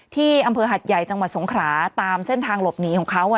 ที่อำเภอหัดใหญ่จังหวัดสงขราตามเส้นทางหลบหนีของเขา